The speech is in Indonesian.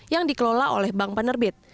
yang dikelola oleh bank penerbit